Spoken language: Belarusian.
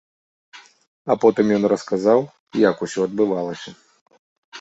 А потым ён расказаў, як усё адбывалася.